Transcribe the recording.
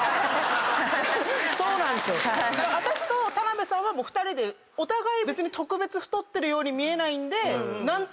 私と田辺さんはもう２人でお互い別に特別太ってるように見えないんで何とも言わないです。